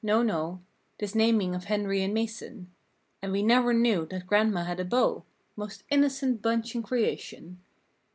No, no, This naming of Henry and Mason; And we never knew that grandma had a beau— (Most innocent bunch in creation.)